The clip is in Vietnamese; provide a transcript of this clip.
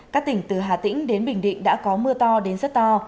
các tỉnh từ hà tĩnh đến bình định đã có mưa to đến rất to